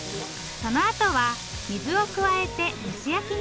そのあとは水を加えて蒸し焼きに。